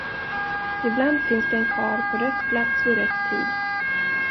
Ibland finns det en karl på rätt plats vid rätt tid.